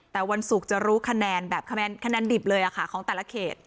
แต่วันศุกร์จะรู้คะแนนแบบคะแนนดิบเลยของแต่ละเขต